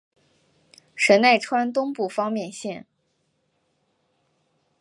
神奈川东部方面线。